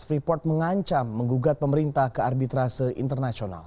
freeport mengancam menggugat pemerintah ke arbitrase internasional